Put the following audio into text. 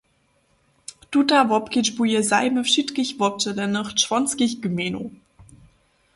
Tuta wobkedźbuje zajimy wšitkich wobdźělenych čłonskich gmejnow.